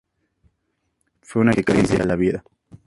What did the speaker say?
Fue una experiencia que cambia la vida.